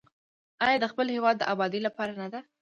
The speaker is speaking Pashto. آیا د خپل هیواد د ابادۍ لپاره نه ده؟